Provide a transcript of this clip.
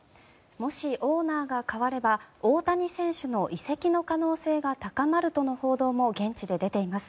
もしオーナーが代われば大谷選手の移籍の可能性が高まるとの報道も現地で出ています。